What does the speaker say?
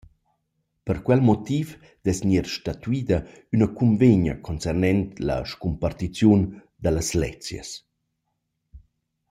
Per quel motiv dess gnir statuida üna cunvegna concernent la scumpartiziun da las lezchas.